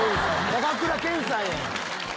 高倉健さんやん！